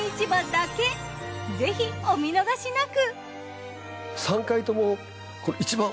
ぜひお見逃しなく。